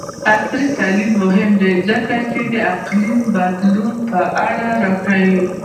عصري تعلیم مهم دی ځکه چې د اقلیم بدلون په اړه ښيي.